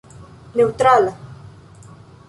neŭtrala